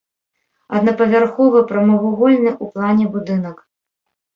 Аднапавярховы прамавугольны ў плане будынак.